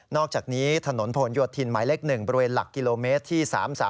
อกจากนี้ถนนผลโยธินหมายเลข๑บริเวณหลักกิโลเมตรที่๓๓